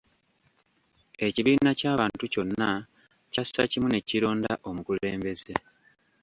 Ekibiina ky’abantu kyonna kyassa kimu ne kironda omukulembeze.